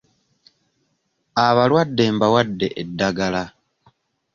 Abalwadde mbawadde eddagala.